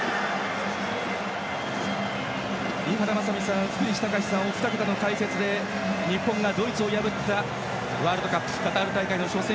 井原正巳さん、福西崇史さんのお二方の解説で日本がドイツを破ったワールドカップカタール大会の初戦